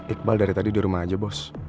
iqbal dari tadi di rumah aja bos